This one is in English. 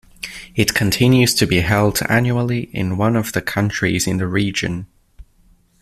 It continues to be held annually in one of the countries in the region.